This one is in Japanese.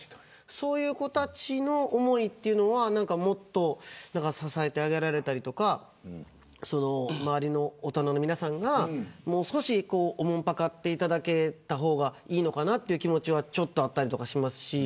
そういう子たちの思いというのはもっと支えてあげられたりとか周りの大人の皆さんがもう少しおもんぱかっていただけた方がいいのかなというのがちょっとあったりしますし。